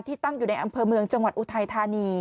ตั้งอยู่ในอำเภอเมืองจังหวัดอุทัยธานี